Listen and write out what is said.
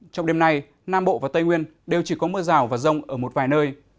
trong đêm nay nam bộ và tây nguyên đều chỉ có mưa rào và rông ở một vài nơi